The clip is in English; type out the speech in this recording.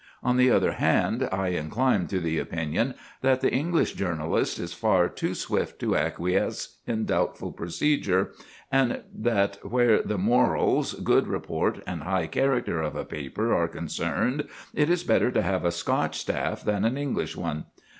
On the other hand, I incline to the opinion that the English journalist is far too swift to acquiesce in doubtful procedure, and that where the morals, good report, and high character of a paper are concerned it is better to have a Scotch staff than an English one.